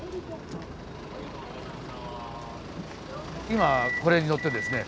今これに乗ってですね